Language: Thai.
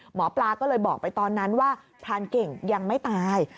หมอปลาก็เลยบอกไปตอนนั้นว่าพรานเก่งยังไม่ตาย